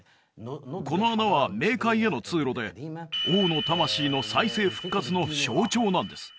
この穴は冥界への通路で王の魂の再生復活の象徴なんです